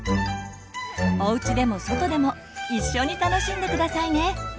おうちでも外でも一緒に楽しんで下さいね。